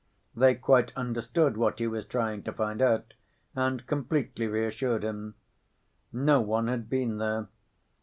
They quite understood what he was trying to find out, and completely reassured him. No one had been there.